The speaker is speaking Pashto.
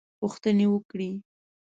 پوښتنې وکړې.